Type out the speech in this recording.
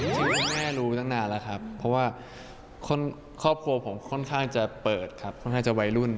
จริงคุณแม่รู้ตั้งนานแล้วครับเพราะว่าครอบครัวผมค่อนข้างจะเปิดครับค่อนข้างจะวัยรุ่น